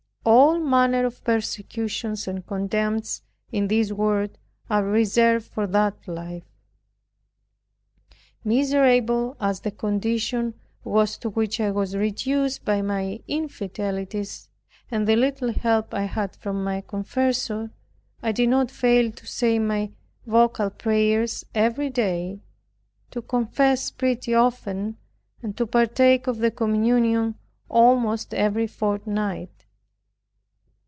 All manner of persecutions and contempts in this world are reserved for that life. Miserable as the condition was to which I was reduced by my infidelities, and the little help I had from my confessor, I did not fail to say my vocal prayers every day, to confess pretty often, and to partake of the communion almost every fortnight.